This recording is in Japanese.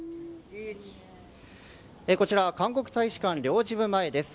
こちら韓国大使館領事部前です。